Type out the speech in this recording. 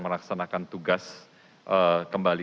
melakukan tugas kembali